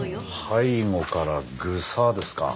背後からグサッですか。